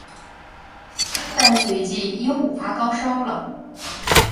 但随即，鹦鹉发高烧了。